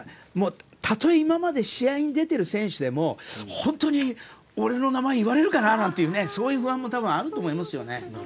たとえ今まで試合に出てる選手でも俺の名前言われるかななんていう不安もあると思いますよね。